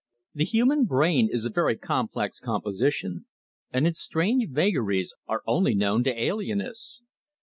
The human brain is a very complex composition, and its strange vagaries are only known to alienists.